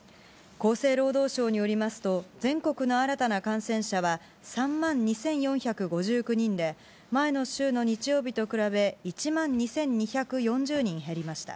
厚生労働省によりますと、全国の新たな感染者は３万２４５９人で、前の週の日曜日と比べ、１万２２４０人減りました。